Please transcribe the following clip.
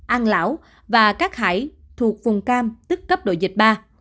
an lão và các hải thuộc vùng cam tức cấp độ dịch ba